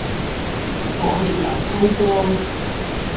我亦能叨光